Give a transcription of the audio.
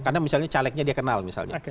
karena misalnya calegnya dia kenal misalnya